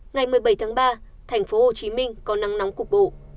ngày một mươi bảy tháng ba thành phố hồ chí minh có nắng nóng cục bộ